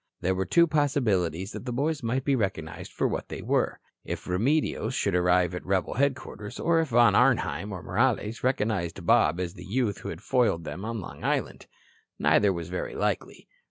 There were two possibilities that the boys might be recognized for what they were: if Remedios should arrive at rebel headquarters, or if Von Arnheim or Morales recognized Bob as the youth who had foiled them on Long Island. Neither was very likely.